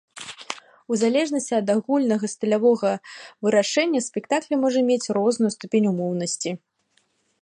У залежнасці ад агульнага стылявога вырашэння спектакля можа мець розную ступень умоўнасці.